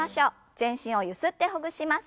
全身をゆすってほぐします。